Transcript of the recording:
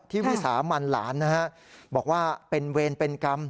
วิสามันหลานนะฮะบอกว่าเป็นเวรเป็นกรรม